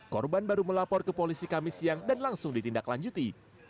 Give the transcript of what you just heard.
korban baru melapor ke polisi kami siang dan langsung ditindaklanjuti